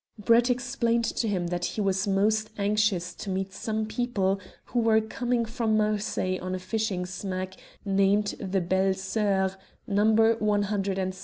Brett explained to him that he was most anxious to meet some people who were coming from Marseilles on a fishing smack named the Belles Soeurs, No.